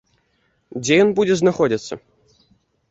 Дзе ён будзе знаходзіцца?